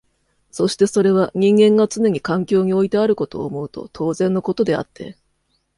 そしてそれは人間がつねに環境においてあることを思うと当然のことであって、